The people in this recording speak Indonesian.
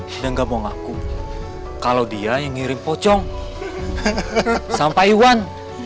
dia gak mau ngaku kalau dia yang ngirim pocong sama pak iwan